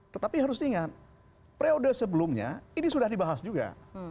tetapi harus diingat periode sebelumnya ini sudah dibahas juga